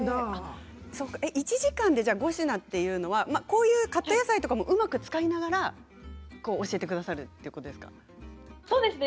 １時間で５品というのはこういうカット野菜などをうまく使いながら教えてくださるんですね。